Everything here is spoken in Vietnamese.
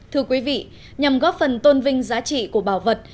thưa quý vị nhằm góp phần tôn vinh giá trị của bảo vật